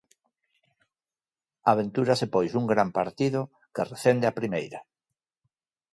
Aventúrase pois un gran partido que recende a primeira.